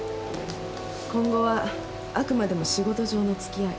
今後はあくまでも仕事上のつきあい。